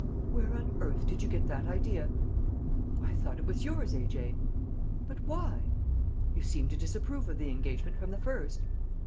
"Where on earth did you get that idea?" "I thought it was yours, A.J." "But why?" "You seemed to disapprove of the engagement from the first."